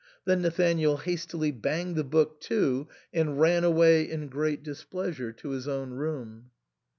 Then Nathanael hastily banged the book to and ran away in great displeasure to his own room.